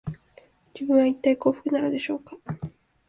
自分は、いったい幸福なのでしょうか